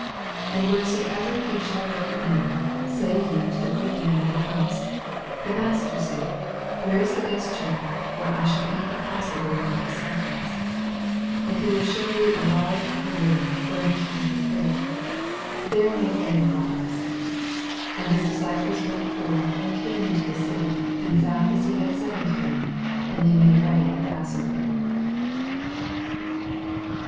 14 And wheresoever he shall go in say ye to the goodman of the house, The Master saith, Where is the guest chamber, where I shall eat the Puss over with my disciples ? 15 And he will shew you a large upper room furnished and prepared : there make ready for us. 16 And his disciples went forth, and came into the city, and found aa he had said unto them : and they made ready the Passover.